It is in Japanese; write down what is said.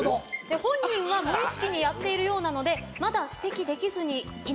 本人は無意識にやっているようなのでまだ指摘できずにいますということでした。